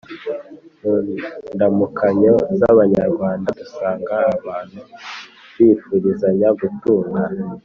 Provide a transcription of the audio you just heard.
mu ndamukanyo z’abanyarwanda dusanga abantu bifurizanya gutunga